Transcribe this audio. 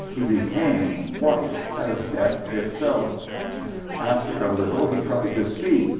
He became white as death itself. After a little he tried to speak.